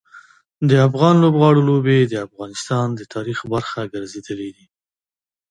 د افغان لوبغاړو لوبې د افغانستان د تاریخ برخه ګرځېدلي دي.